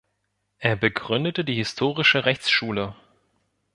Er begründete die Historische Rechtsschule.